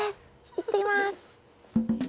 いってきます。